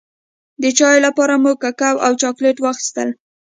د چای لپاره مو ککو او چاکلېټ واخيستل.